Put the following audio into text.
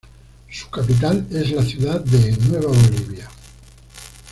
Su capital es la ciudad de Nueva Bolivia.